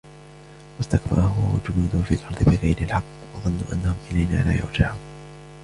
وَاسْتَكْبَرَ هُوَ وَجُنُودُهُ فِي الْأَرْضِ بِغَيْرِ الْحَقِّ وَظَنُّوا أَنَّهُمْ إِلَيْنَا لَا يُرْجَعُونَ